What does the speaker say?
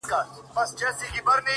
سترگي دي پټي كړه ويدېږمه زه،